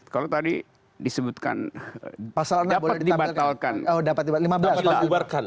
kalau tadi disebutkan dapat dibatalkan